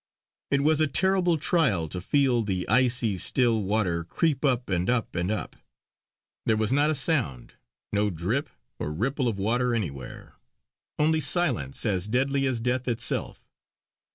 It was a terrible trial to feel the icy, still water creep up, and up, and up. There was not a sound, no drip or ripple of water anywhere; only silence as deadly as death itself.